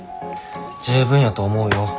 十分やと思うよ。